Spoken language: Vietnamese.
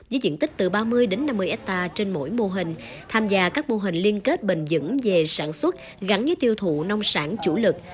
từ ba mươi đến năm mươi hectare trên mỗi mô hình tham gia các mô hình liên kết bình dững về sản xuất gắn với tiêu thụ nông sản chủ lực